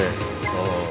ああ。